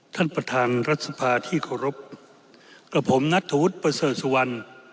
ท่านประธานรัฐสภาที่เคารพกับผมนัทธวุฒิประเสริฐสุวรรณ